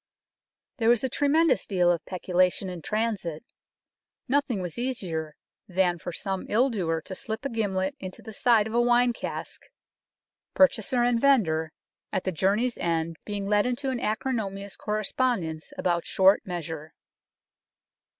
There was a tremendous deal of peculation in transit. Nothing was easier than for some ill doer to slip a gimlet into the side of a wine cask, purchaser and vendor at the go UNKNOWN LONDON journey's end being led into an acrimonious correspondence about short measure.